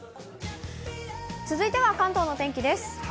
続いては関東のお天気です。